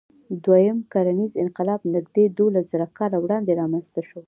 دوهیم کرنیز انقلاب نږدې دولسزره کاله وړاندې رامنځ ته شو.